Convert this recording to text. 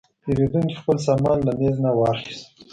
پیرودونکی خپل سامان له میز نه واخیست.